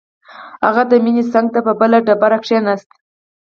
هغه د مينې څنګ ته په بله ډبره کښېناست.